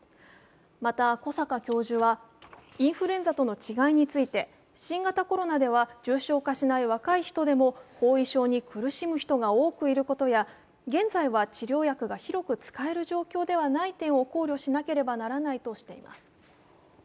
また、小坂教授はインフルエンザとの違いについて新型コロナでは重症化しない若い人でも後遺症に苦しむ人が多くいることや現在は治療薬が広く使える状況ではないと点を考慮しなければならないとしています。